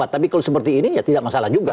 tapi kalau seperti ini ya tidak masalah juga